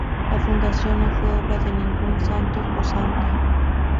La fundación no fue obra de ningún santo o santa.